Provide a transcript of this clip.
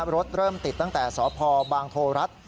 รถเริ่มติดตั้งแต่สพบางโทรัฐ